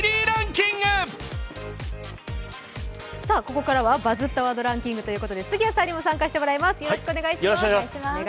ここからは「バズったワードランキング」ということで杉谷さんにも参加してもらいます、お願いします。